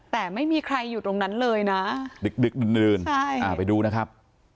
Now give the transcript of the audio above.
แต่ไม่มีใครอยู่ตรงนั้นเลยนะดึกดื่นไปดูนะครับ